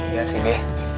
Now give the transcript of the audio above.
iya sih be